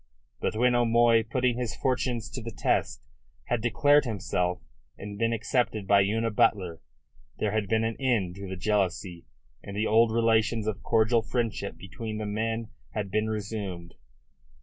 But when O'Moy, putting his fortunes to the test, had declared himself and been accepted by Una Butler, there had been an end to the jealousy, and the old relations of cordial friendship between the men had been resumed.